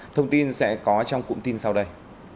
thông tin sẽ có trong cụm tin sau đây